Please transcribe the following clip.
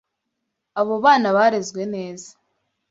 Abo bana barezwe neza.